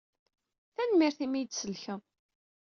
Tanemmirt imi i iyi-d-tsellkeḍ.